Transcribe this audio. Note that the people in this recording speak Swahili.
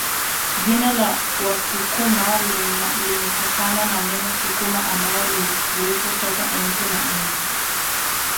Jina la Wasukuma limetokana na neno Sukuma ambalo lilikuwepo toka enzi na enzi